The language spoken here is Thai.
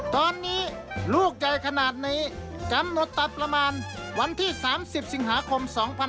ตอนนี้ลูกใหญ่ขนาดนี้กำหนดตัดประมาณวันที่๓๐สิงหาคม๒๕๖๒